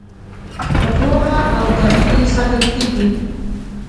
په پوهه او تدبیر ساتل کیږي.